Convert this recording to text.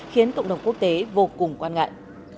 khiến cộng đồng quốc tế vô cùng quan ngại